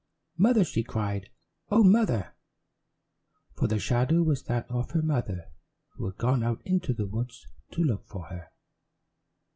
"Mother!" she cried. "Oh, Mother!" For the shadow was that of her mother who had gone out into the woods to look for her.